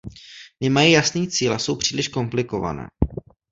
Nemají jasný cíl a jsou příliš komplikované.